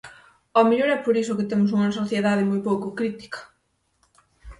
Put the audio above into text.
Ao mellor é por iso que temos unha sociedade moi pouco crítica.